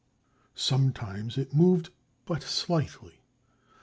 Sometimes it moved but slightly.